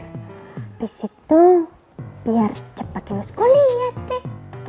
habis itu biar cepat lulus kuliah deh